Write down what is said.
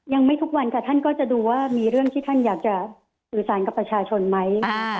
ยังไม่ทุกวันค่ะท่านก็จะดูว่ามีเรื่องที่ท่านอยากจะสื่อสารกับประชาชนไหม